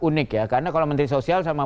unik ya karena kalau menteri sosial sama